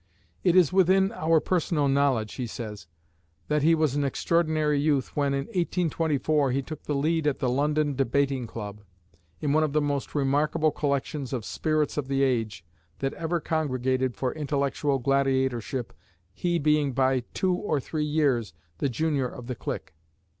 "It is within our personal knowledge," he says, "that he was an extraordinary youth when, in 1824, he took the lead at the London Debating Club in one of the most remarkable collections of 'spirits of the age' that ever congregated for intellectual gladiatorship, he being by two or three years the junior of the clique.